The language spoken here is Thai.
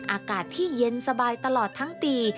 อากาศที่เย็นสบายตลอดทั้งปี